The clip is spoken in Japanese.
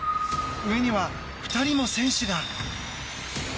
上には２人も選手が。